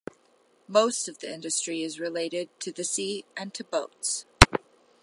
Most of the industry is related to the sea and to boats.